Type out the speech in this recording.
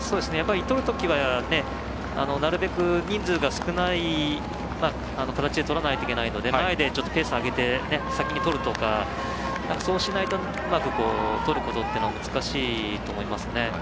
取る時はなるべく、人数が少ない形で取らないといけないので前で、ペースを上げて先に取るとかそうしないとうまく取ることっていうのは難しいと思いますね。